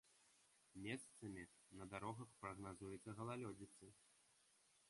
Месцамі на дарогах прагназуецца галалёдзіца.